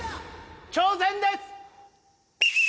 挑戦です！